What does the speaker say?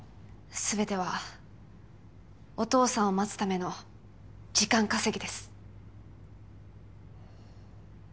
すべてはお父さんを待つための時間稼ぎです。